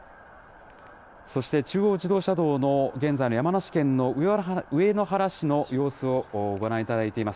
そして中央自動車道の現在の山梨県の上野原市の様子をご覧いただいています。